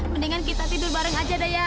mendingan kita tidur bareng aja deh ya